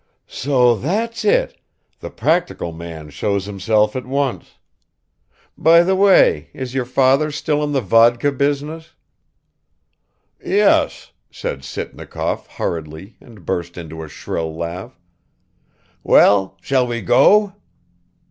"So that's it. The practical man shows himself at once. By the way, is your father still in the vodka business?" "Yes," said Sitnikov hurriedly and burst into a shrill laugh. "Well, shall we go?"